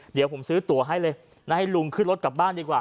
เดี๋ยวผมซื้อตัวให้เลยนะให้ลุงขึ้นรถกลับบ้านดีกว่า